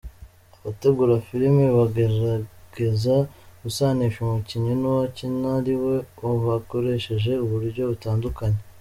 Abategura filime bagerageza gusanisha umukinnyi n’uwo akina ari we bakoresheje uburyo butandukanye.